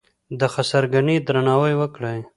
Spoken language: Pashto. د خسرګنۍ درناوی وکړئ.